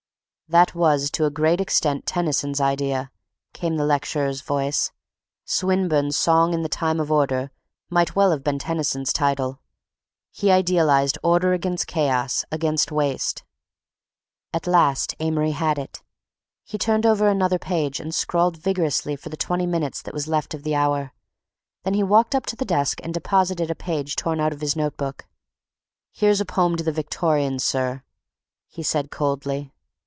"That was to a great extent Tennyson's idea," came the lecturer's voice. "Swinburne's Song in the Time of Order might well have been Tennyson's title. He idealized order against chaos, against waste." At last Amory had it. He turned over another page and scrawled vigorously for the twenty minutes that was left of the hour. Then he walked up to the desk and deposited a page torn out of his note book. "Here's a poem to the Victorians, sir," he said coldly.